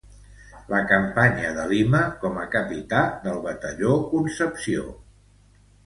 La Campanya de Lima com a Capità del Batalló Concepció.